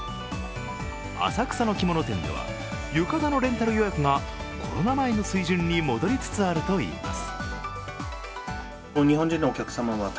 浅草の着物店では、浴衣のレンタル予約がコロナ前の水準に戻りつつあるといいます。